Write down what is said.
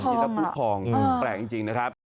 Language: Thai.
พลุกพลองพลุกพลองแปลกจริงนะครับ